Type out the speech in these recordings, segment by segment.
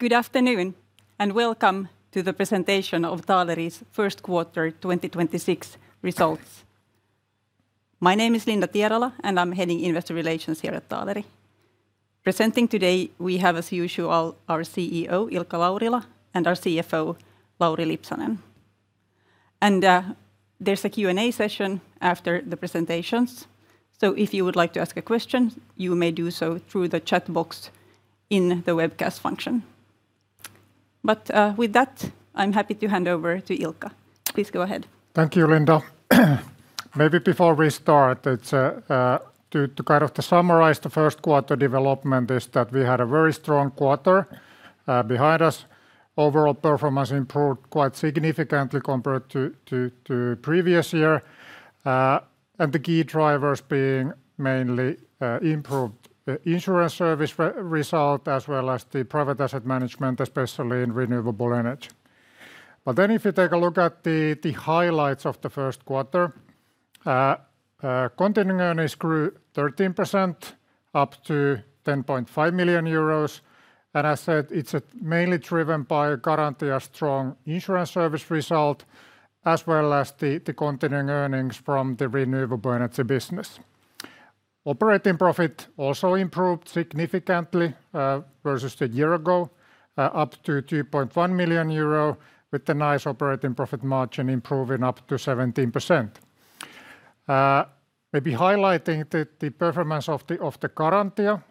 Good afternoon, welcome to the presentation of Taaleri's first quarter 2026 results. My name is Linda Tierala, I'm heading Investor Relations here at Taaleri. Presenting today we have, as usual, our CEO, Ilkka Laurila, our CFO, Lauri Lipsanen. There's a Q&A session after the presentations, if you would like to ask a question, you may do so through the chat box in the webcast function. With that, I'm happy to hand over to Ilkka. Please go ahead. Thank you, Linda. Before we start, it's to kind of to summarize the first quarter development is that we had a very strong quarter behind us. Overall performance improved quite significantly compared to previous year. The key drivers being mainly improved insurance service result, as well as the private asset management, especially in renewable energy. If you take a look at the highlights of the first quarter, continuing earnings grew 13% up to 10.5 million euros. As said, it's mainly driven by Garantia's strong insurance service result, as well as the continuing earnings from the renewable energy business. Operating profit also improved significantly versus the year ago, up to 2.1 million euro, with the nice operating profit margin improving up to 17%. Maybe highlighting the performance of the Garantia,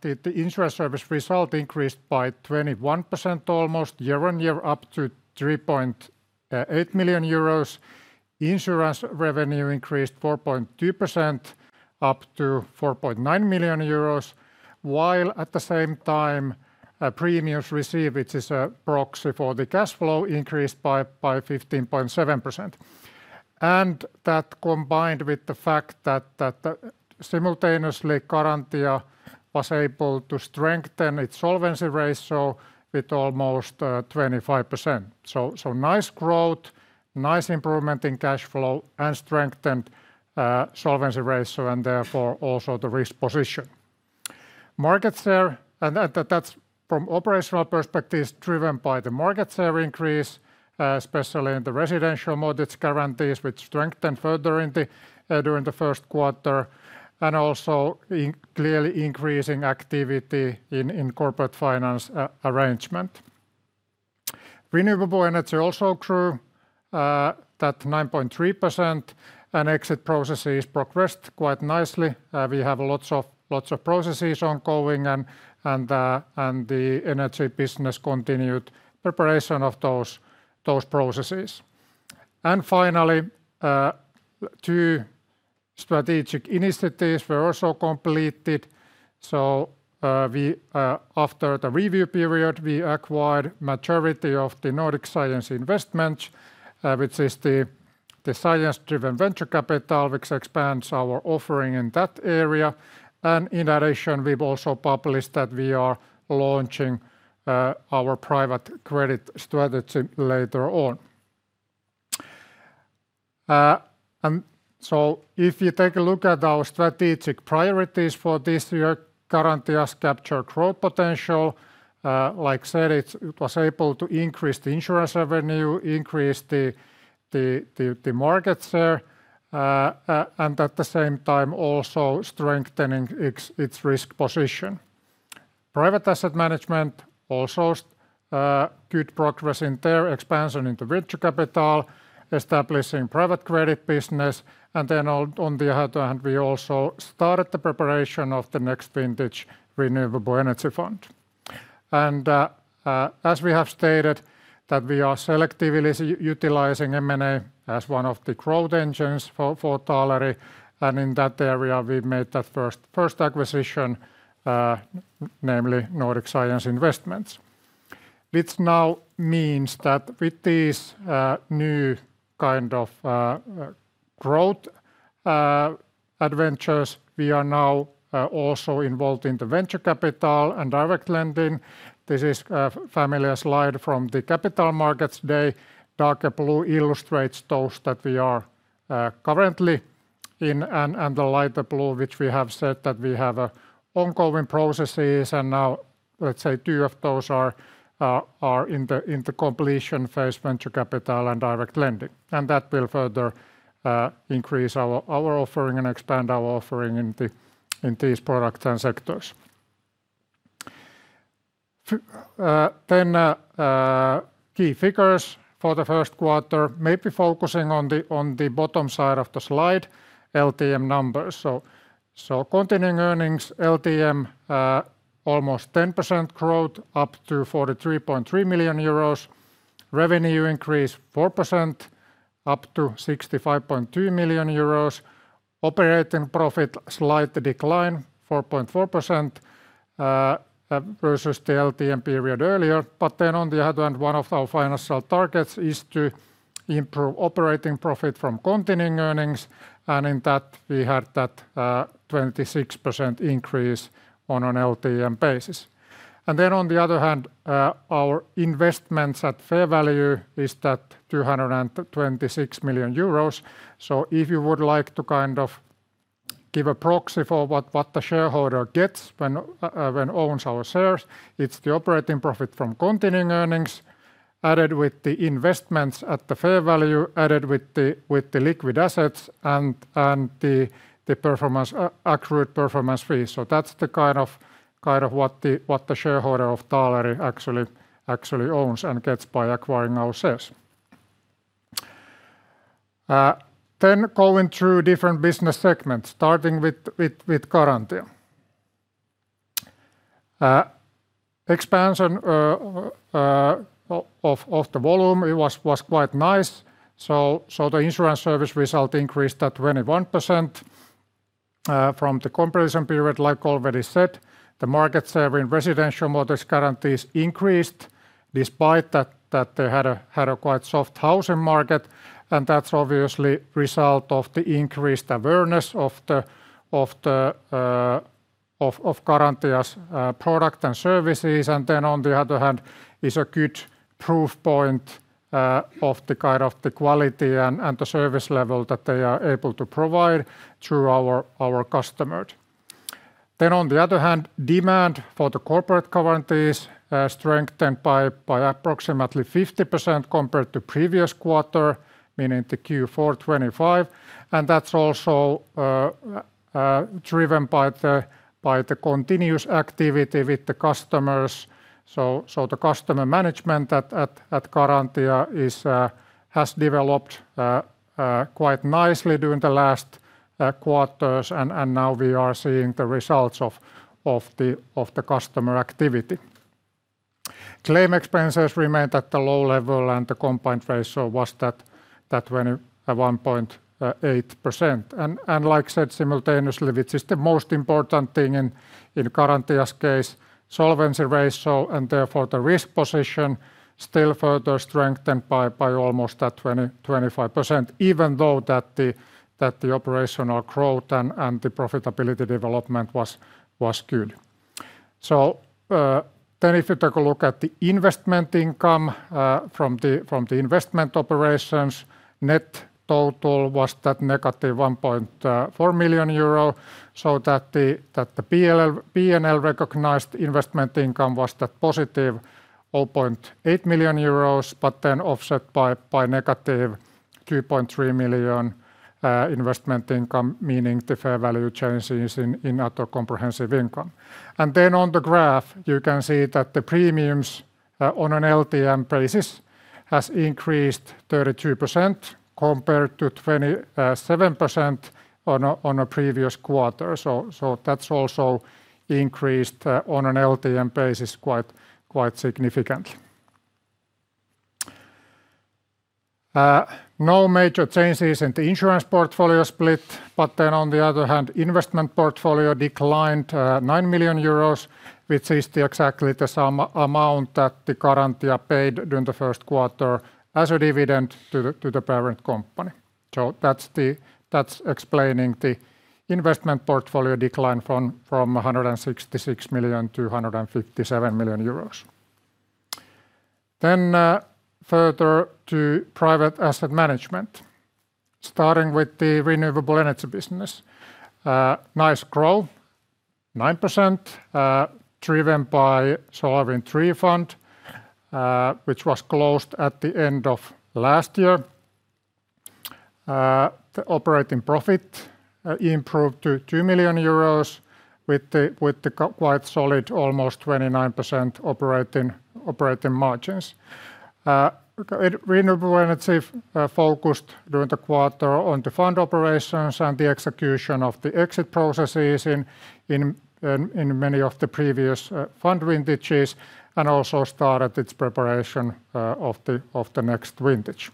the insurance service result increased by 21% almost year-on-year, up to 3.8 million euros. Insurance revenue increased 4.2% up to 4.9 million euros, while at the same time, premiums received, which is a proxy for the cash flow, increased by 15.7%. That combined with the fact that simultaneously Garantia was able to strengthen its solvency ratio with almost 25%. Nice growth, nice improvement in cash flow, and strengthened solvency ratio and therefore also the risk position. That's from operational perspective driven by the market share increase, especially in the residential mortgage guarantees which strengthened further during the first quarter, and also in clearly increasing activity in corporate finance arrangement. Renewable energy also grew 9.3%. Exit processes progressed quite nicely. We have lots of processes ongoing and the energy business continued preparation of those processes. Finally, two strategic initiatives were also completed. We, after the review period, we acquired majority of the Nordic Science Investments, which is the science-driven venture capital which expands our offering in that area. In addition, we've also published that we are launching our private credit strategy later on. If you take a look at our strategic priorities for this year, Garantia's captured growth potential. Like I said, it was able to increase the insurance revenue, increase the market share and at the same time also strengthening its risk position. Private asset management also good progress in their expansion into venture capital, establishing private credit business. Then on the other hand, we also started the preparation of the next vintage renewable energy fund. As we have stated that we are selectively utilizing M&A as one of the growth engines for Taaleri, and in that area we've made that first acquisition, namely Nordic Science Investments. Which now means that with these new kind of growth adventures, we are now also involved in the venture capital and direct lending. This is a familiar slide from the Capital Markets Day. Darker blue illustrates those that we are currently in and the lighter blue which we have said that we have ongoing processes and now let's say two of those are in the completion phase venture capital and direct lending. That will further increase our offering and expand our offering in these products and sectors. Then key figures for the first quarter, maybe focusing on the bottom side of the slide, LTM numbers. Continuing earnings LTM, almost 10% growth up to 43.3 million euros. Revenue increase 4% up to 65.2 million euros. Operating profit, slight decline, 4.4% versus the LTM period earlier. On the other hand, one of our financial targets is to improve operating profit from continuing earnings, and in that we had that 26% increase on an an LTM basis. On the other hand, our investments at fair value is that 226 million euros. If you would like to kind of give a proxy for what the shareholder gets when owns our shares. It's the operating profit from continuing earnings added with the investments at the fair value, added with the liquid assets and the accrued performance fees. That's the kind of what the shareholder of Taaleri actually owns and gets by acquiring our shares. Going through different business segments, starting with Garantia. Expansion of the volume, it was quite nice. The insurance service result increased at 21% from the comparison period, like already said. The market share in residential mortgage guarantees increased despite that they had a quite soft housing market, and that's obviously result of the increased awareness of Garantia's product and services. On the other hand is a good proof point of the kind of the quality and the service level that they are able to provide through our customers. On the other hand, demand for the corporate guarantees strengthened by approximately 50% compared to previous quarter, meaning the Q4 2025, and that's also driven by the continuous activity with the customers. The customer management at Garantia has developed quite nicely during the last quarters, and now we are seeing the results of the customer activity. Claim expenses remained at the low level, and the combined ratio was 21.8%. Like I said, simultaneously, which is the most important thing in Garantia's case, solvency ratio, and therefore the risk position still further strengthened by almost 25%, even though the operational growth and the profitability development was good. Then if you take a look at the investment income, from the investment operations, net total was that -1.4 million euro, so that the P&L recognized investment income was that +0.8 million euros, but then offset by -2.3 million, investment income, meaning the fair value changes in other comprehensive income. On the graph, you can see that the premiums, on an LTM basis has increased 32% compared to 27% on a previous quarter. That's also increased, on an LTM basis quite significantly. No major changes in the insurance portfolio split, on the other hand, investment portfolio declined 9 million euros, which is exactly the same amount that Garantia paid during the first quarter as a dividend to the parent company. That's explaining the investment portfolio decline from 166 million to 157 million euros. Further to private asset management, starting with the renewable energy business. Nice growth, 9%, driven by SolarWind III fund, which was closed at the end of last year. The operating profit improved to 2 million euros with the quite solid almost 29% operating margins. Renewable energy focused during the quarter on the fund operations and the execution of the exit processes in many of the previous fund vintages and also started its preparation of the next vintage.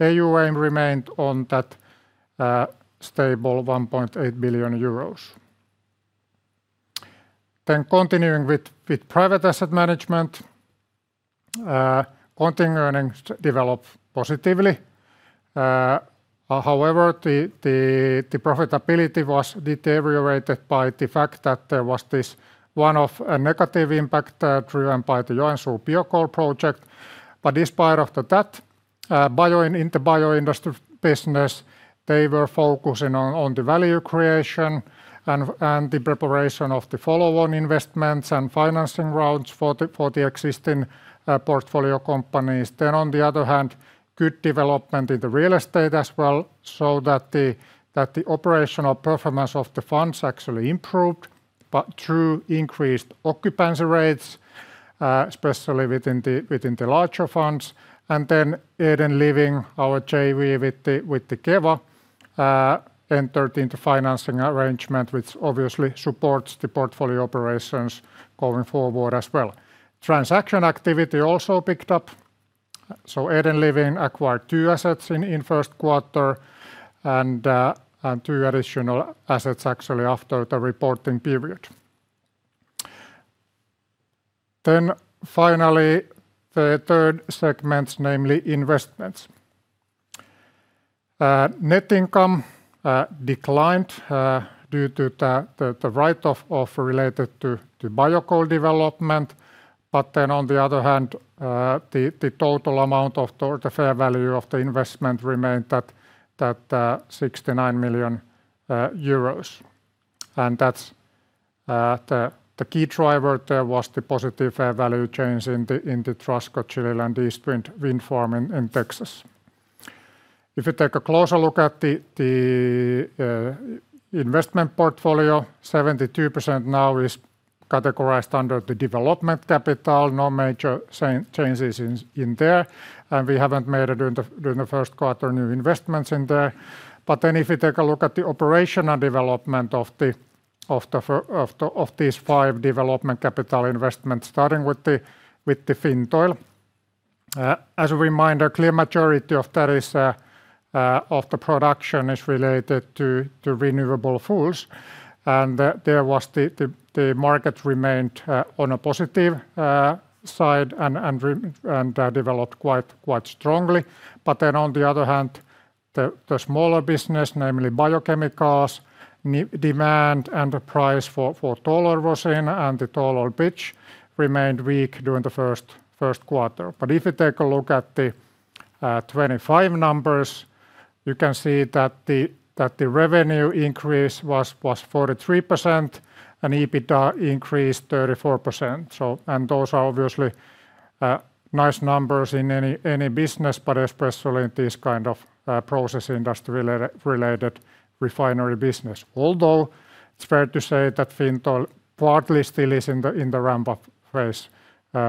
AUM remained on that stable 1.8 billion euros. Continuing with private asset management, continuing earnings developed positively. However, the profitability was deteriorated by the fact that there was this one-off negative impact driven by the Joensuu Biocoal project. In spite of that, in the bioindustry business, they were focusing on the value creation and the preparation of the follow-on investments and financing rounds for the existing portfolio companies. On the other hand, good development in the real estate as well, so that the operational performance of the funds actually improved, but through increased occupancy rates, especially within the larger funds. Eden Living, our JV with the Keva, entered into financing arrangement, which obviously supports the portfolio operations going forward as well. Transaction activity also picked up, Eden Living acquired two assets in first quarter and two additional assets actually after the reporting period. Finally, the third segment, namely investments. Net income declined due to the write-off related to biocoal development. On the other hand, the total amount of the fair value of the investment remained at 69 million euros. That's the key driver there was the positive value change in the Transco Chile and East Wind wind farm in Texas. If you take a closer look at the investment portfolio, 72% now is categorized under the development capital. No major changes in there, and we haven't made it during the first quarter new investments in there. If you take a look at the operational development of these five development capital investments, starting with the Fintoil, as a reminder, clear majority of that is of the production is related to renewable fuels. There was the market remained on a positive side and developed quite strongly. On the other hand, the smaller business, namely biochemicals, demand and the price for tall oil rosin and the tall oil pitch remained weak during the first quarter. If you take a look at the 2025 numbers, you can see that the revenue increase was 43% and EBITDA increased 34%. Those are obviously nice numbers in any business but especially in this kind of process industry related refinery business. Although it is fair to say that Fintoil partly still is in the ramp-up phase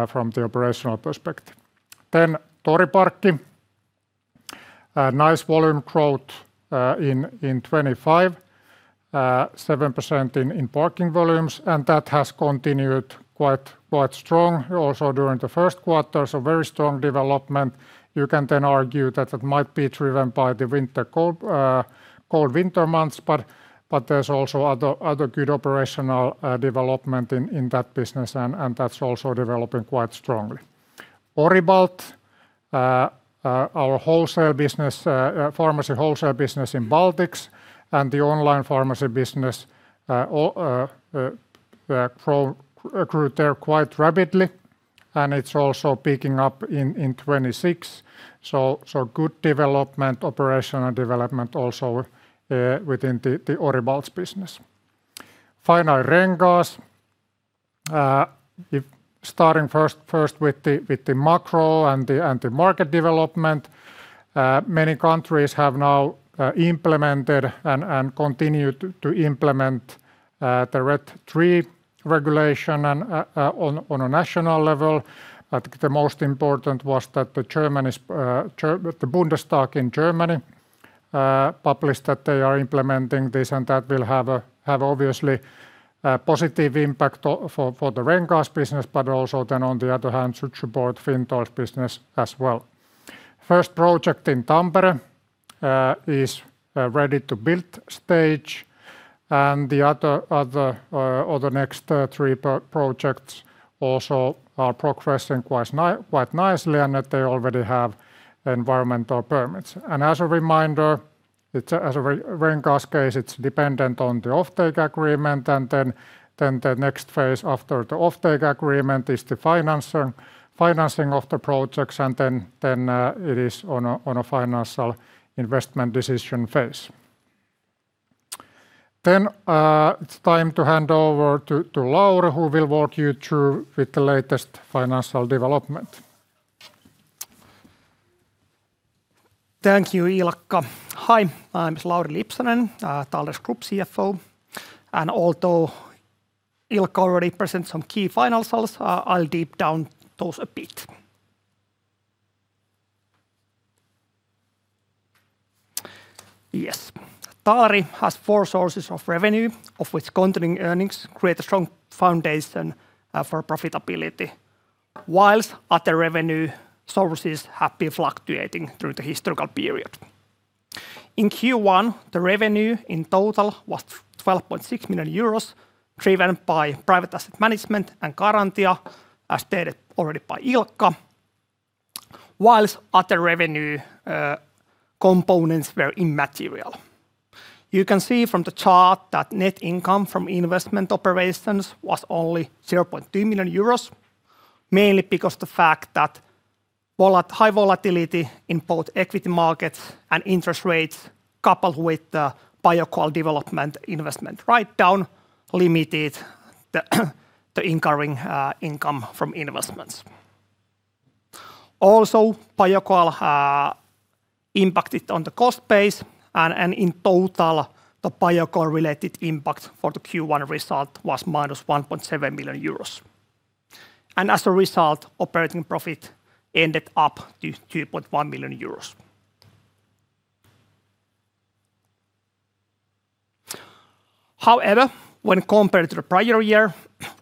from the operational perspective. Toriparkki, nice volume growth in 2025, 7% in parking volumes, and that has continued quite strong also during the first quarter, so very strong development. You can then argue that it might be driven by the winter cold winter months, but there's also other good operational development in that business and that's also developing quite strongly. Oribalt, our wholesale business, pharmacy wholesale business in Baltics and the online pharmacy business, grew there quite rapidly and it's also picking up in 2026. Good development, operational development also within the Oribalt's business. Finally, Ren-Gas. If starting first with the macro and the market development, many countries have now implemented and continue to implement the RED III regulation and on a national level. The most important was that the Bundestag in Germany published that they are implementing this, that will have obviously a positive impact for the Ren-Gas business but also on the other hand should support Fintoil's business as well. First project in Tampere is ready to build stage, the other or the next three projects also are progressing quite nicely in that they already have environmental permits. As a reminder, as a Ren-Gas case, it's dependent on the offtake agreement, then the next phase after the offtake agreement is the financing of the projects, then it is on a financial investment decision phase. It's time to hand over to Lauri, who will walk you through with the latest financial development. Thank you, Ilkka. Hi, my name is Lauri Lipsanen, Taaleri's Group CFO. Although Ilkka already present some key financials, I'll deep down those a bit. Yes. Taaleri has four sources of revenue, of which continuing earnings create a strong foundation for profitability, whilst other revenue sources have been fluctuating through the historical period. In Q1, the revenue in total was 12.6 million euros, driven by private asset management and Garantia, as stated already by Ilkka, whilst other revenue components were immaterial. You can see from the chart that net income from investment operations was only 0.2 million euros, mainly because the fact that high volatility in both equity markets and interest rates, coupled with the biocoal development investment write-down, limited the incurring income from investments. Biocoal impacted on the cost base and in total the biocoal related impact for the Q1 result was -1.7 million euros. As a result, operating profit ended up to 2.1 million euros. However, when compared to the prior year,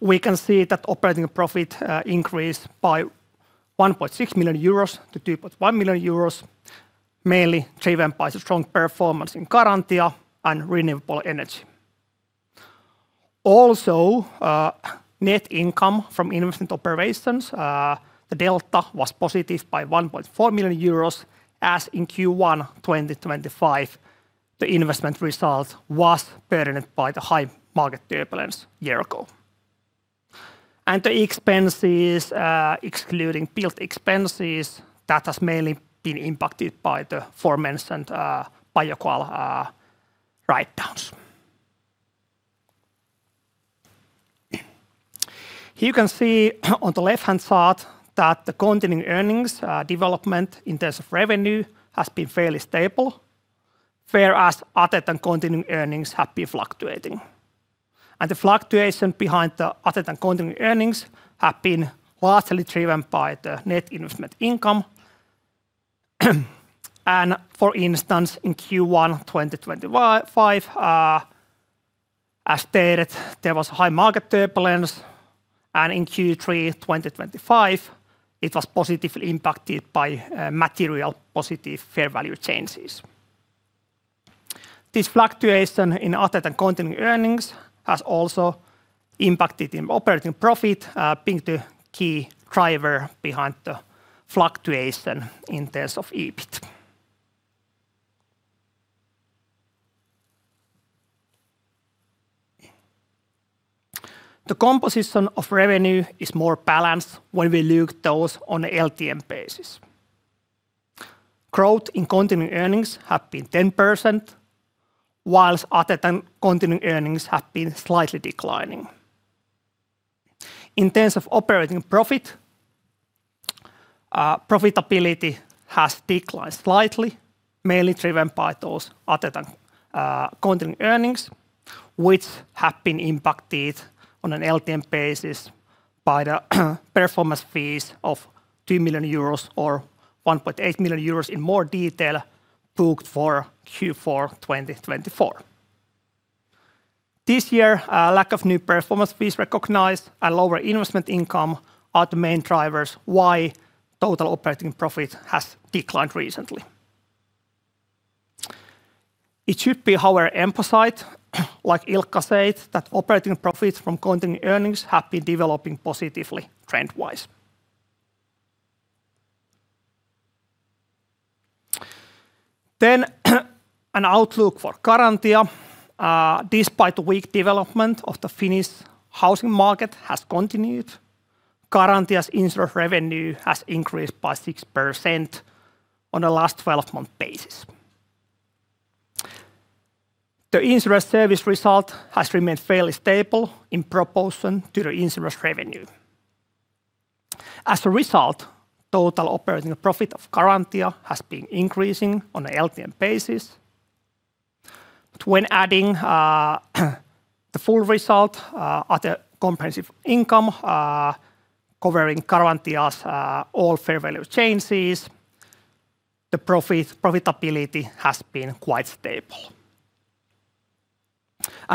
we can see that operating profit increased by 1.6 million euros to 2.1 million euros, mainly driven by the strong performance in Garantia and renewable energy. Net income from investment operations, the delta was positive by 1.4 million euros. As in Q1 2025, the investment result was burdened by the high market turbulence year ago. The expenses, excluding biocoal expenses, that has mainly been impacted by the aforementioned biocoal write-downs. Here you can see on the left-hand side that the continuing earnings development in terms of revenue has been fairly stable, whereas other than continuing earnings have been fluctuating. The fluctuation behind the other than continuing earnings have been largely driven by the net investment income. For instance, in Q1 2025, as stated, there was high market turbulence, and in Q3 2025, it was positively impacted by material positive fair value changes. This fluctuation in other than continuing earnings has also impacted in operating profit, being the key driver behind the fluctuation in terms of EBIT. The composition of revenue is more balanced when we look those on a LTM basis. Growth in continuing earnings have been 10%, whilst other than continuing earnings have been slightly declining. In terms of operating profit, profitability has declined slightly, mainly driven by those other than continuing earnings, which have been impacted on an LTM basis by the performance fees of 2 million euros or 1.8 million euros in more detail booked for Q4 2024. This year, a lack of new performance fees recognized and lower investment income are the main drivers why total operating profit has declined recently. It should be, however, emphasized, like Ilkka said, that operating profits from continuing earnings have been developing positively trend-wise. An outlook for Garantia. Despite weak development of the Finnish housing market has continued, Garantia's insurance revenue has increased by 6% on an LTM basis. The insurance service result has remained fairly stable in proportion to the insurance revenue. As a result, total operating profit of Garantia has been increasing on an LTM basis. When adding, the full result, other comprehensive income, covering Garantia's, all fair value changes, the profit profitability has been quite stable.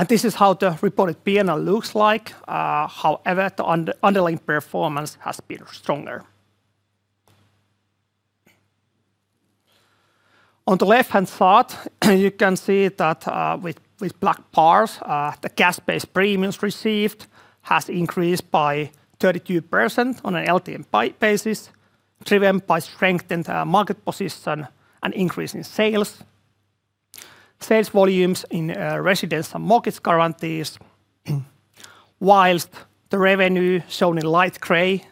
This is how the reported P&L looks like. However, the underlying performance has been stronger. On the left-hand side, you can see that, with black bars, the cash-based premiums received has increased by 32% on an LTM basis, driven by strengthened, market position and increase in sales. Sales volumes in, residence and mortgage guarantees, whilst the revenue shown in light gray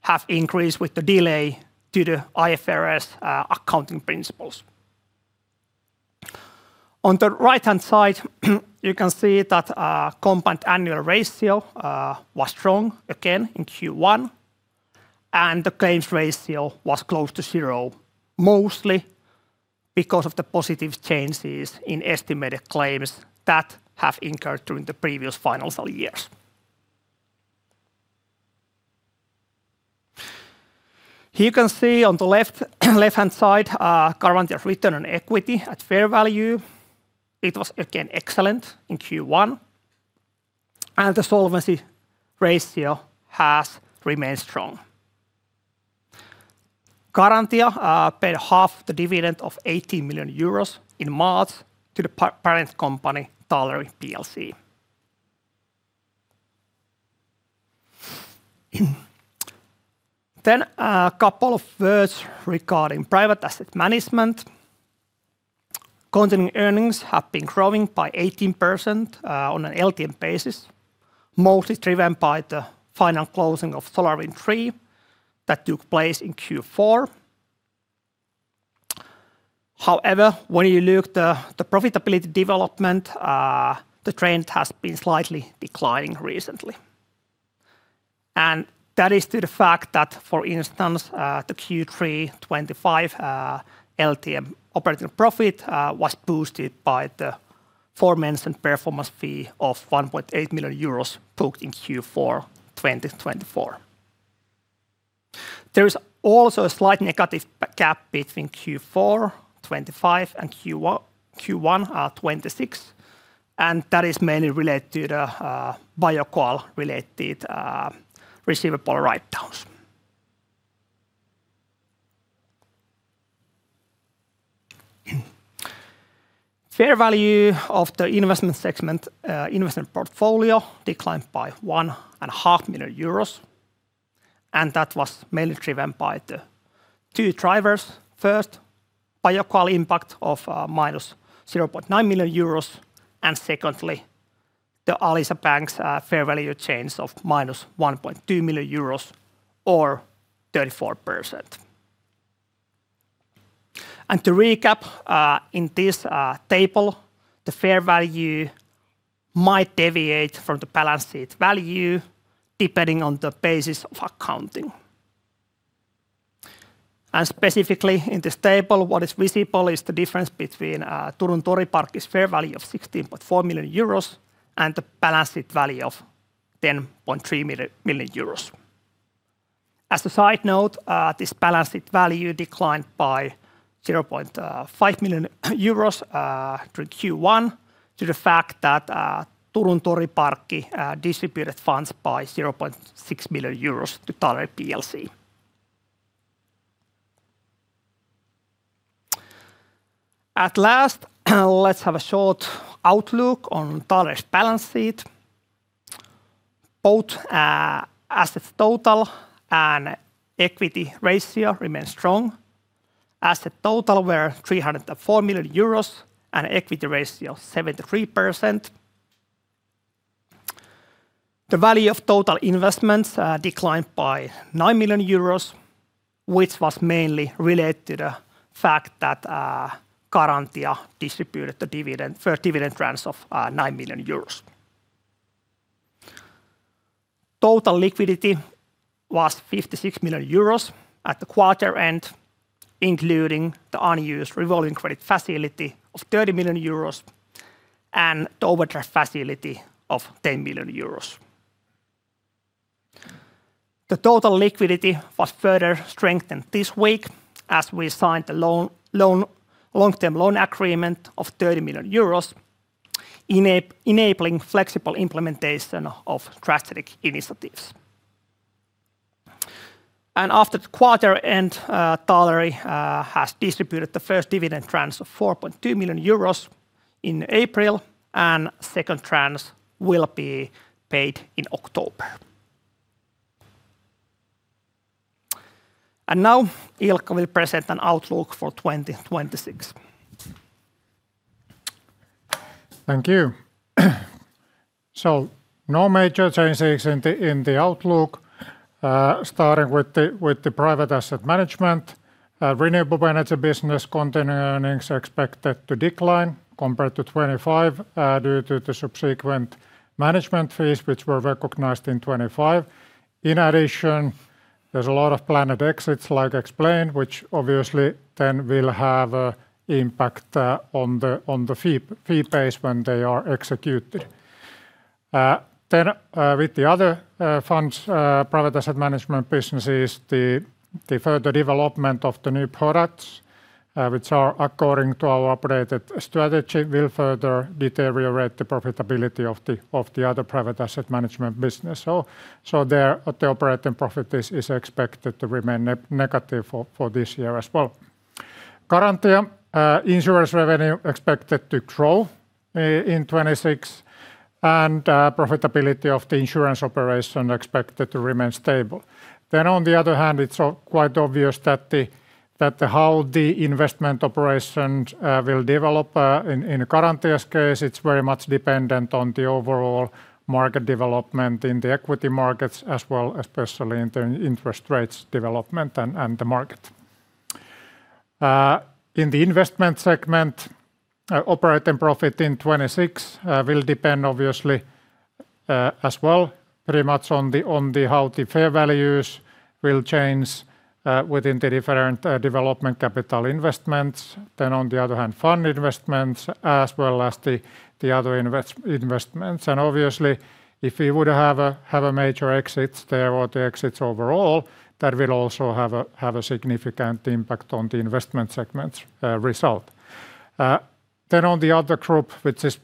have increased with the delay due to IFRS, accounting principles. On the right-hand side, you can see that our combined annual ratio was strong again in Q1, and the claims ratio was close to zero, mostly because of the positive changes in estimated claims that have incurred during the previous financial years. Here you can see on the left-hand side, Garantia return on equity at fair value. It was again excellent in Q1, and the solvency ratio has remained strong. Garantia paid half the dividend of 80 million euros in March to the parent company, Taaleri Plc. A couple of words regarding private asset management, continuing earnings have been growing by 18% on an LTM basis, mostly driven by the final closing of Taaleri III that took place in Q4. However, when you look the profitability development, the trend has been slightly declining recently. That is due to the fact that, for instance, the Q3 2025 LTM operating profit was boosted by the aforementioned performance fee of 1.8 million euros booked in Q4 2024. There is also a slight negative gap between Q4 2025 and Q1 2026, and that is mainly related to the biocoal related receivable write-downs. Fair value of the investment segment investment portfolio declined by one and a half million euros, and that was mainly driven by the two drivers. First, biocoal impact of -0.9 million euros, and secondly, the Alisa Pankki's fair value change of -1.2 million euros or 34%. To recap, in this table, the fair value might deviate from the balance sheet value depending on the basis of accounting. Specifically in this table, what is visible is the difference between Turun Toriparkki's fair value of 16.4 million euros and the balance sheet value of 10.3 million euros. As a side note, this balance sheet value declined by 0.5 million euros during Q1 due to the fact that Turun Toriparkki distributed funds by 0.6 million euros to Taaleri Plc. Last, let's have a short outlook on Taaleri's balance sheet. Both assets total and equity ratio remain strong. Asset total were 304 million euros, and equity ratio 73%. The value of total investments declined by 9 million euros, which was mainly related to the fact that Garantia distributed the dividend, first dividend tranche of 9 million euros. Total liquidity was 56 million euros at the quarter end, including the unused revolving credit facility of 30 million euros and the overdraft facility of 10 million euros. The total liquidity was further strengthened this week as we signed the long-term loan agreement of 30 million euros enabling flexible implementation of strategic initiatives. After the quarter end, Taaleri has distributed the first dividend tranche of 4.2 million euros in April, and second tranche will be paid in October. Now Ilkka will present an outlook for 2026. Thank you. No major changes in the outlook, starting with the private asset management. Renewable energy business continuing earnings expected to decline compared to 2025, due to the subsequent management fees which were recognized in 2025. In addition, there's a lot of planned exits like explained, which obviously then will have a impact on the fee base when they are executed. Then, with the other funds, private asset management business is the further development of the new products, which are according to our updated strategy, will further deteriorate the profitability of the other private asset management business. There the operating profit is expected to remain negative for this year as well. Garantia insurance revenue expected to grow in 2026, and profitability of the insurance operation expected to remain stable. On the other hand, it's quite obvious how the investment operations will develop. In Garantia's case, it's very much dependent on the overall market development in the equity markets, as well, especially in the interest rates development and the market. In the investment segment, operating profit in 2026 will depend obviously as well pretty much on how the fair values will change within the different development capital investments. On the other hand, fund investments as well as the other investments. Obviously, if we would have a major exits there or the exits overall, that will also have a significant impact on the investment segment's result. On the other group, which is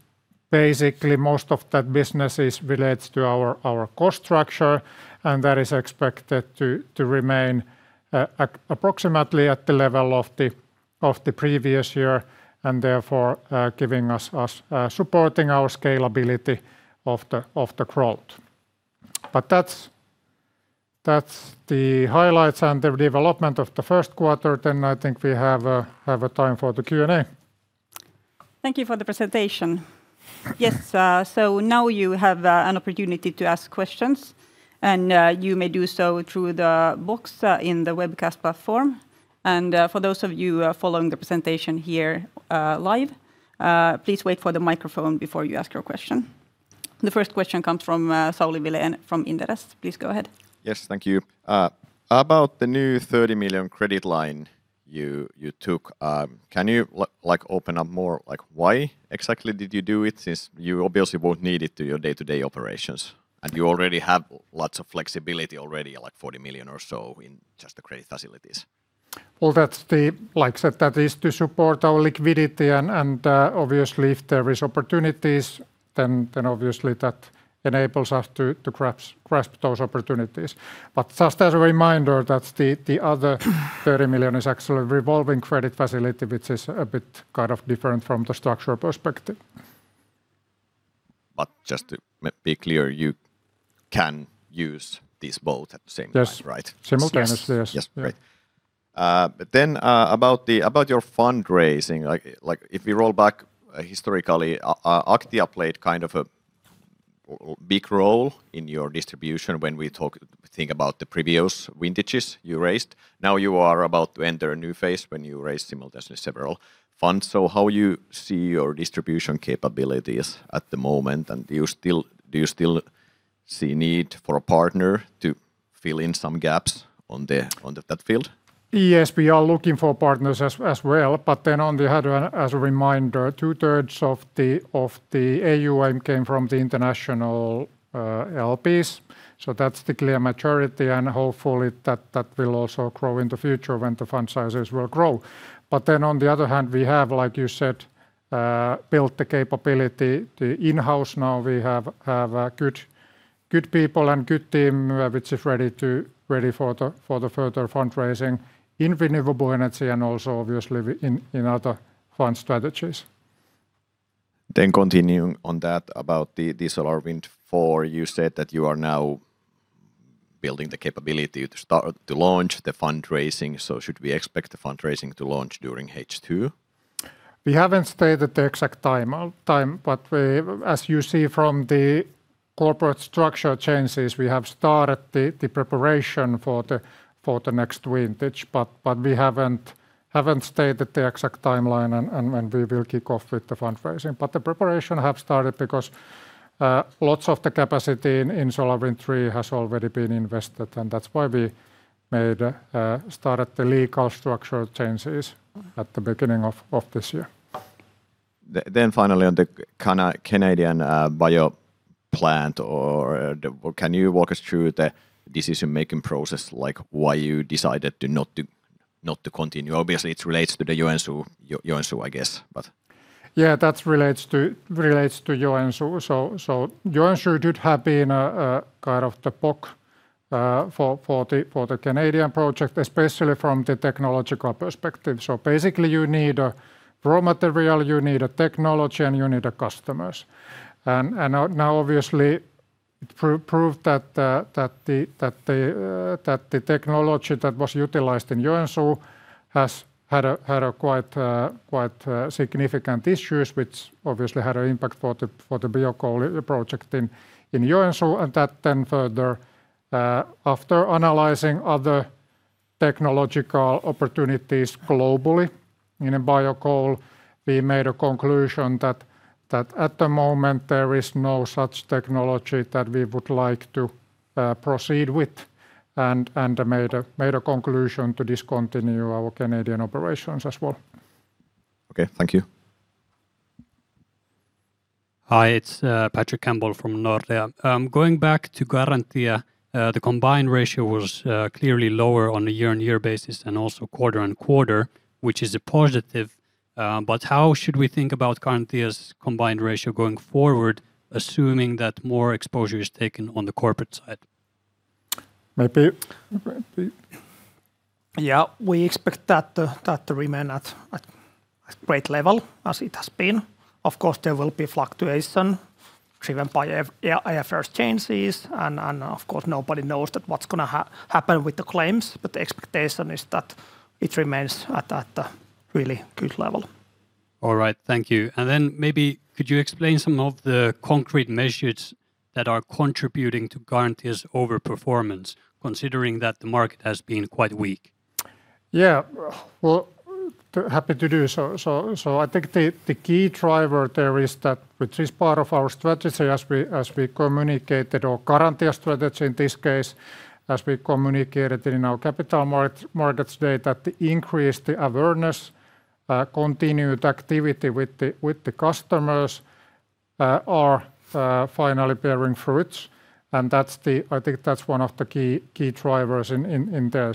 basically most of that business relates to our cost structure, that is expected to remain approximately at the level of the previous year, and therefore, giving us supporting our scalability of the growth. That's the highlights and the development of the first quarter, I think we have time for the Q&A. Thank you for the presentation. Yes, now you have an opportunity to ask questions, and you may do so through the box in the webcast platform. For those of you following the presentation here live, please wait for the microphone before you ask your question. The first question comes from Sauli Vilén from Inderes. Please go ahead. Yes. Thank you. About the new 30 million credit line you took can you like open up more, like why exactly did you do it since you obviously won't need it to your day-to-day operations and you already have lots of flexibility already, like 40 million or so in just the credit facilities? Well, like said, that is to support our liquidity and obviously if there is opportunities, then obviously that enables us to grasp those opportunities. Just as a reminder that the other 30 million is actually revolving credit facility, which is a bit kind of different from the structure perspective. Just to be clear, you can use these both at the same time, right? Yes. Simultaneous, yes. Yes. Great. About your fundraising, like if we roll back historically, Aktia played kind of a big role in your distribution when we think about the previous vintages you raised. Now you are about to enter a new phase when you raise simultaneously several funds. How you see your distribution capabilities at the moment, and do you still see need for a partner to fill in some gaps on that field? Yes, we are looking for partners as well. On the other hand, as a reminder, two-thirds of the AUM came from the international LPs. That's the clear maturity, and hopefully that will also grow in the future when the fund sizes will grow. On the other hand, we have, like you said, built the capability to in-house now we have a good people and good team, which is ready for the further fundraising in renewable energy and also obviously in other fund strategies. Continuing on that about the SolarWind IV, you said that you are now building the capability to launch the fundraising. Should we expect the fundraising to launch during H2? We haven't stated the exact time, as you see from the corporate structure changes, we have started the preparation for the next vintage, but we haven't stated the exact timeline and when we will kick off with the fundraising. The preparation have started because lots of the capacity in SolarWind III has already been invested, and that's why we made started the legal structural changes at the beginning of this year. Finally on the Canadian bio plant or the. Can you walk us through the decision-making process, like why you decided not to continue? Obviously, it relates to the Joensuu, I guess. Yeah, that relates to Joensuu. Joensuu did have been a kind of the POC for the Canadian project, especially from the technological perspective. Basically you need a raw material, you need a technology, and you need a customers. Now obviously it proved that the technology that was utilized in Joensuu has had a quite significant issues, which obviously had a impact for the biocoal project in Joensuu. That then further after analyzing other technological opportunities globally in a biocoal, we made a conclusion that at the moment there is no such technology that we would like to proceed with, and made a conclusion to discontinue our Canadian operations as well. Okay. Thank you. Hi, it's Patrick Campbell from Nordea. Going back to Garantia, the combined ratio was clearly lower on a year-on-year basis and also quarter-on-quarter, which is a positive. How should we think about Garantia's combined ratio going forward, assuming that more exposure is taken on the corporate side? [maybe] Yeah. We expect that to remain at great level as it has been. Of course, there will be fluctuation driven by IFRS changes, and of course, nobody knows that what's gonna happen with the claims, but the expectation is that it remains at a really good level. All right. Thank you. Maybe could you explain some of the concrete measures that are contributing to Garantia's overperformance, considering that the market has been quite weak? Yeah. Well, happy to do so. I think the key driver there is that, which is part of our strategy as we, as we communicated, or Garantia strategy in this case, as we communicated in our capital markets day that the increase the awareness, continued activity with the customers, are finally bearing fruit. That's the. I think that's one of the key drivers in there.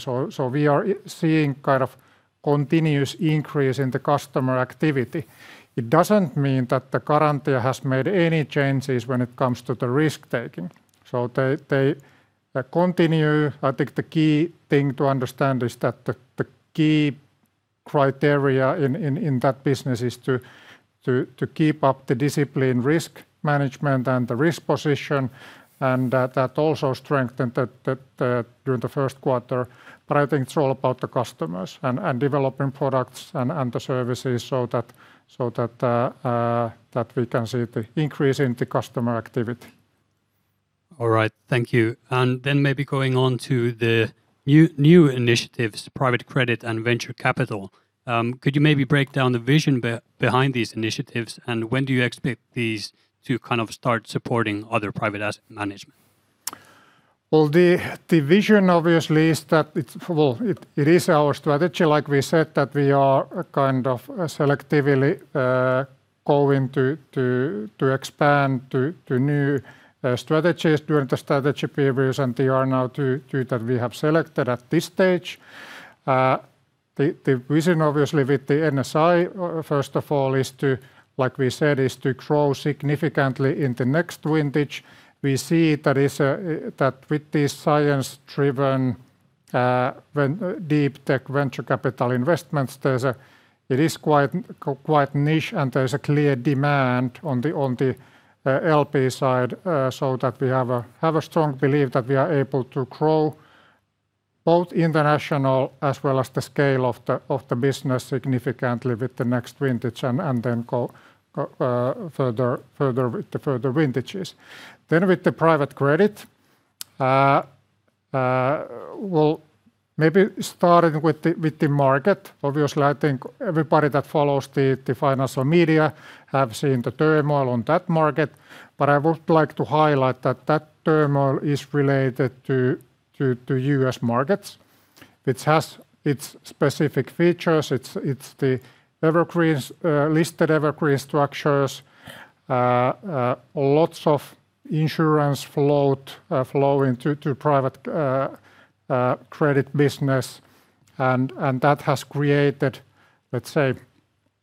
We are seeing kind of continuous increase in the customer activity. It doesn't mean that the Garantia has made any changes when it comes to the risk-taking. They continue. I think the key thing to understand is that the key criteria in that business is to keep up the discipline risk management and the risk position, and that also strengthened that during the first quarter. I think it's all about the customers and developing products and the services so that, so that we can see the increase in the customer activity. All right. Thank you. Maybe going on to the new initiatives, private credit and venture capital, could you maybe break down the vision behind these initiatives, and when do you expect these to kind of start supporting other private asset management? Well, the vision obviously is that it is our strategy, like we said, that we are kind of selectively going to expand to new strategies during the strategy periods, and they are now two that we have selected at this stage. The vision obviously with the NSI, first of all, is to, like we said, is to grow significantly in the next vintage. We see that with this science-driven deep tech venture capital investments. It is quite niche, and there's a clear demand on the LP side, so that we have a strong belief that we are able to grow both international as well as the scale of the business significantly with the next vintage and then go further with the further vintages. With the private credit, well, maybe starting with the market. Obviously, I think everybody that follows the financial media have seen the turmoil on that market, but I would like to highlight that that turmoil is related to U.S. markets, which has its specific features. It's the evergreens, listed evergreen structures. Lots of insurance float flowing through to private credit business and that has created, let's say,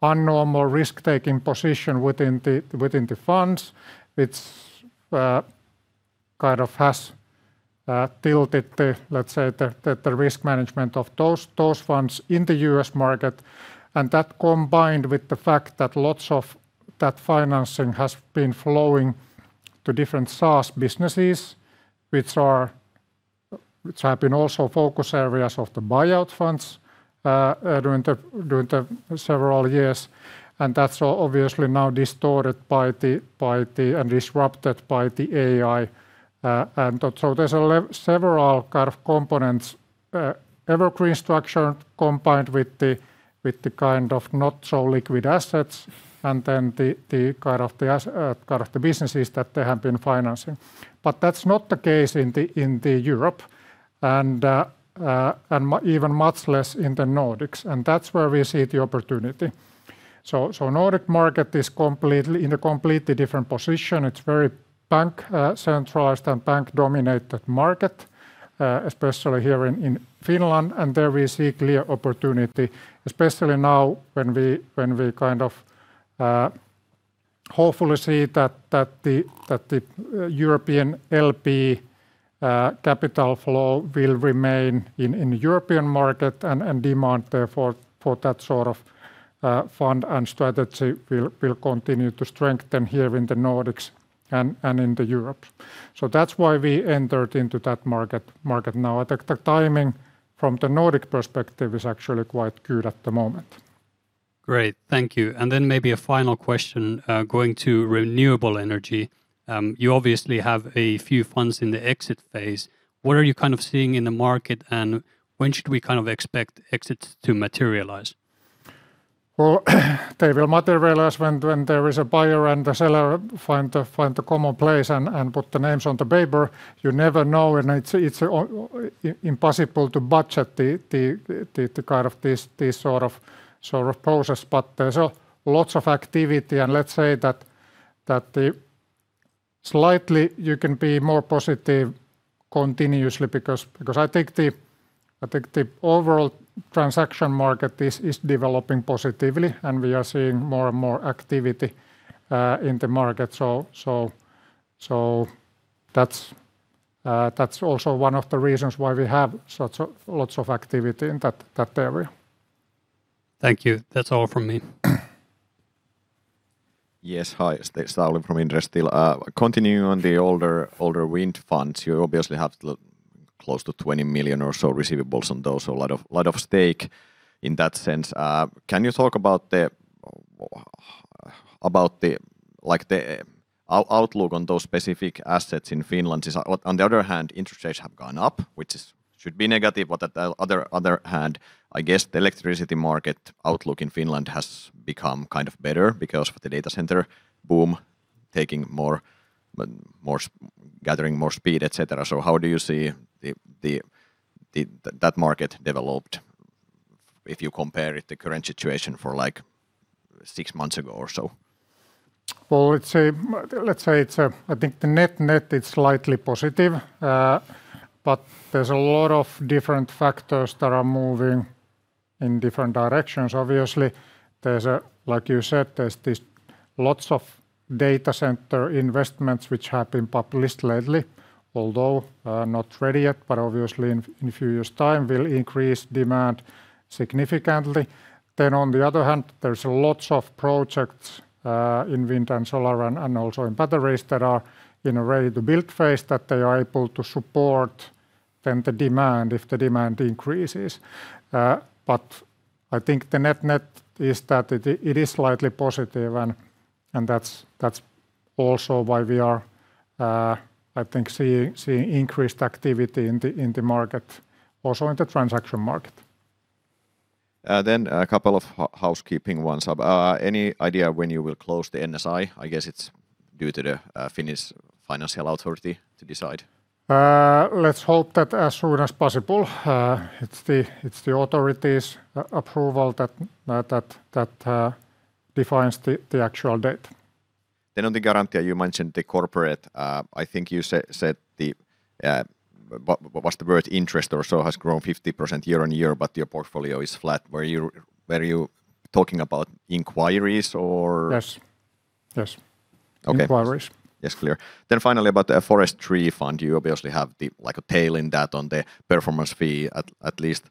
unnormal risk-taking position within the funds, which kind of has tilted the, let's say, the risk management of those funds in the U.S. market. That combined with the fact that lots of that financing has been flowing to different SaaS businesses, which have been also focus areas of the buyout funds during the several years, and that's obviously now distorted by the and disrupted by the AI. There's several kind of components, evergreen structure combined with the kind of not so liquid assets, and then the kind of the businesses that they have been financing. That's not the case in the Europe, and even much less in the Nordics, and that's where we see the opportunity. Nordic market is in a completely different position. It's very bank centralized and bank-dominated market, especially here in Finland, and there we see clear opportunity, especially now when we kind of hopefully see that the European LP capital flow will remain in European market and demand therefore for that sort of fund and strategy will continue to strengthen here in the Nordics and in the Europe. That's why we entered into that market now. I think the timing from the Nordic perspective is actually quite good at the moment. Great. Thank you. Then maybe a final question, going to renewable energy. You obviously have a few funds in the exit phase. What are you kind of seeing in the market, and when should we kind of expect exits to materialize? Well, they will materialize when there is a buyer and the seller find the common place and put the names on the paper. You never know, it's impossible to budget the kind of this sort of process. There's lots of activity, and let's say that. Slightly, you can be more positive continuously because I think the overall transaction market is developing positively, and we are seeing more and more activity in the market. That's also one of the reasons why we have such a lots of activity in that area. Thank you. That's all from me. Yes. Hi. It's still Sauli from Inderes still. Continuing on the older wind funds, you obviously have close to 20 million or so receivables on those, so a lot of stake in that sense. Can you talk about the, like, the outlook on those specific assets in Finland? On the other hand, interest rates have gone up, which is should be negative. At the other hand, I guess the electricity market outlook in Finland has become kind of better because of the data center boom taking more gathering more speed, et cetera. How do you see the that market developed if you compare it the current situation for, like, six months ago or so? I think the net-net is slightly positive, there's a lot of different factors that are moving in different directions. Obviously, like you said, there's this lots of data center investments which have been published lately, although not ready yet, but obviously in a few years' time will increase demand significantly. On the other hand, there's lots of projects in wind and solar and also in batteries that are in a ready-to-build phase that they are able to support then the demand if the demand increases. I think the net-net is that it is slightly positive and that's also why we are seeing increased activity in the market, also in the transaction market. A couple of housekeeping ones. Any idea when you will close the NSI? I guess it's due to the Finnish Financial Authority to decide. Let's hope that as soon as possible. It's the authority's approval that defines the actual date. On the Garantia, you mentioned the corporate. I think you said the, what's the word? Interest or so has grown 50% year-on-year, but your portfolio is flat. Were you talking about inquiries or? Yes. Okay Inquiries. Yes, clear. Finally about the Forest Fund III, you obviously have the, like a tail in that on the performance fee at least,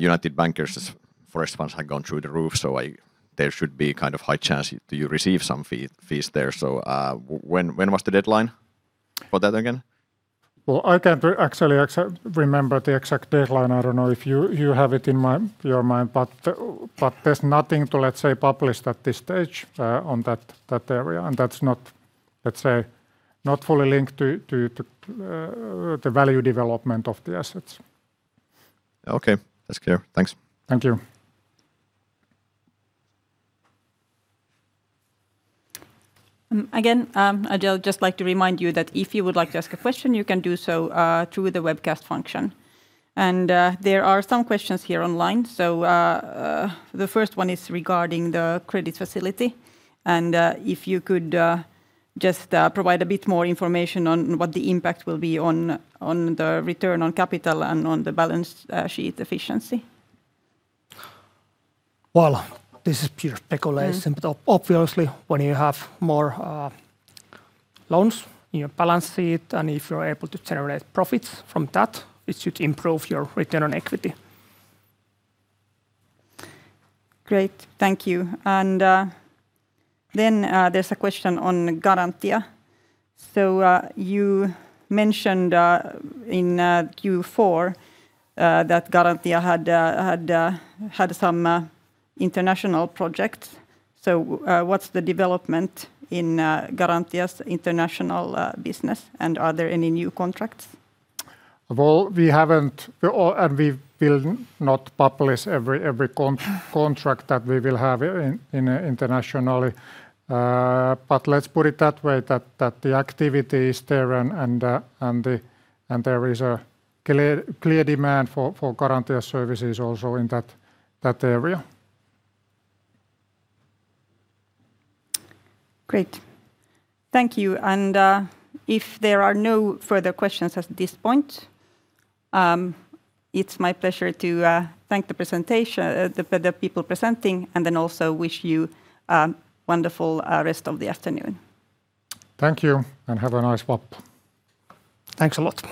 United Bankers' Forest funds had gone through the roof, There should be kind of high chance you receive some fees there. When was the deadline for that again? Well, I can't actually remember the exact deadline. I don't know if you have it in your mind. There's nothing to, let's say, publish at this stage on that area, and that's not, let's say, not fully linked to the value development of the assets. Okay. That's clear. Thanks. Thank you. I'd just like to remind you that if you would like to ask a question, you can do so through the webcast function. There are some questions here online. The first one is regarding the credit facility, if you could just provide a bit more information on what the impact will be on the return on capital and on the balance sheet efficiency. Well, this is pure speculation. Mm. Obviously when you have more loans in your balance sheet, and if you're able to generate profits from that, it should improve your return on equity. Great. Thank you. Then, there's a question on Garantia. You mentioned in Q4 that Garantia had some international projects. What's the development in Garantia's international business, and are there any new contracts? Well, we haven't. We will not publish every contract that we will have in internationally. Let's put it that way, that the activity is there and there is a clear demand for Garantia services also in that area. Great. Thank you. If there are no further questions at this point, it's my pleasure to thank the people presenting, then also wish you a wonderful rest of the afternoon. Thank you, and have a nice Vappu. Thanks a lot.